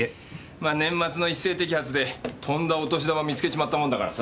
ま年末の一斉摘発でとんだお年玉見つけちまったもんだからさ。